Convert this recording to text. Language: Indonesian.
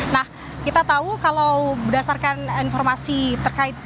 nah kita tahu kalau berdasarkan informasi terkait